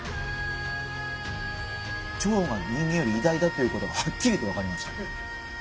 チョウが人間より偉大だということがはっきりと分かりました。